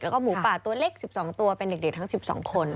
แล้วก็หมูป่าตัวเล็ก๑๒ตัวเป็นเด็กทั้ง๑๒คน